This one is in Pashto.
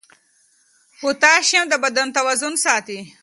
پوټاشیم د بدن توازن ساتي.